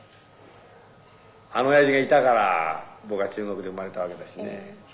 あの親父がいたから僕は中国で生まれたわけだしね。